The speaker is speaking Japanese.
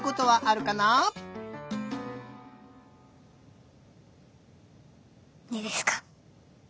ないですか。